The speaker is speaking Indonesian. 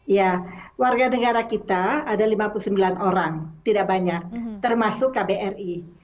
ya warga negara kita ada lima puluh sembilan orang tidak banyak termasuk kbri